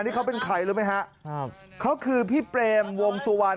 นี่เขาเป็นใครรู้ไหมฮะครับเขาคือพี่เปรมวงสุวรรณ